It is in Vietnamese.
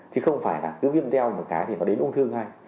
chứ không phải là cứ viêm teo một cái thì nó đến ung thư ngay